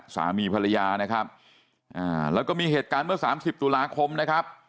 สามีภรรยานะครับอ่าแล้วก็มีเหตุการณ์เมื่อสามสิบตุลาคมนะครับ